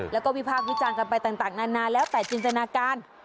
แล้วก็วิพากษ์วิจารณ์กันไปต่างนานาแล้วแต่จินตนาการ